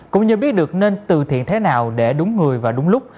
cũng như biết được nên từ thiện thế nào để đúng người và đúng lúc